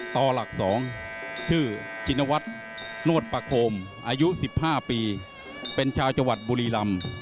ต่อหลัก๒ชื่อชินวัฒน์โนธประโคมอายุ๑๕ปีเป็นชาวจังหวัดบุรีรำ